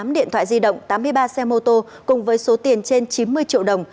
một mươi điện thoại di động tám mươi ba xe mô tô cùng với số tiền trên chín mươi triệu đồng